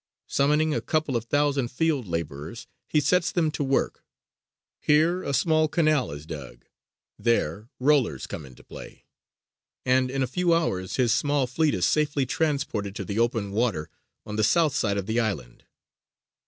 Summoning a couple of thousand field labourers, he sets them to work; here a small canal is dug there rollers come into play; and in a few hours his small fleet is safely transported to the open water on the south side of the island.